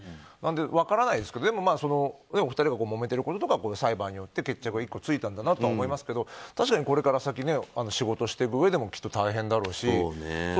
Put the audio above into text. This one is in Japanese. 分からないですけどお二人がもめてることとか裁判によって決着が１個ついたんだなと思いますけどこれから先に仕事していくうえでもきっと大変だろうし。